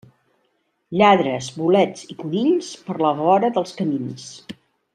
Lladres, bolets i conills, per la vora dels camins.